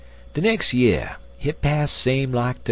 "De nex' year hit pass same like t'er one.